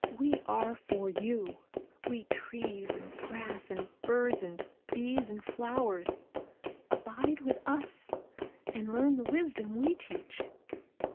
We are for you, we trees and grass and birds and bees and flowers. Abide with us, and learn the wisdom we teach."